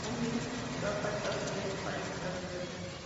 Jung Min, se va para Estados Unidos para empezar de nuevo.